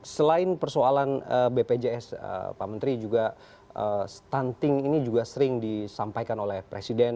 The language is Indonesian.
selain persoalan bpjs pak menteri juga stunting ini juga sering disampaikan oleh presiden